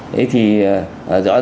đấy thì bệnh nhân cũng có thể